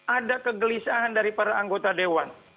ada kegelisahan dari para anggota dewan